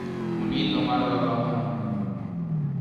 উনি তোমার বাবা হন।